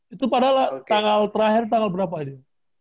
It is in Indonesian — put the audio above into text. itu padahal tanggal terakhir tanggal berapa ini